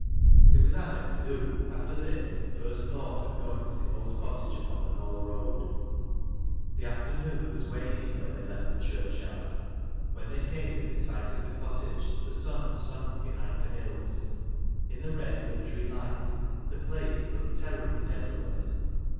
It was Anice who, after this, first thought of going te the old cottage upon the Knoll Eoad. The afternoon wa« 19 266 TEAT LASS CP LOWRIE'8. waning when they left the church yard ; when they came within sight of the cottage the sun had sunk behind the hills. In the red, wintry light, the place looked terriblj desolate.